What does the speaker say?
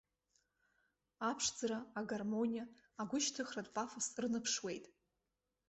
Аԥшӡара, агармониа, агәышьҭыхратә пафос рныԥшуеит.